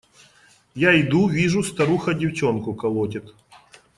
Я иду, вижу – старуха девчонку колотит.